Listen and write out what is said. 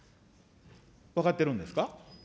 分かってるんですか。